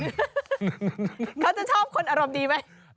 เขาจะชอบคนอารมณ์ดีไหม